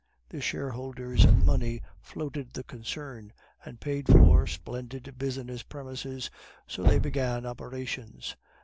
The shareholders' money floated the concern, and paid for splendid business premises, so they began operations.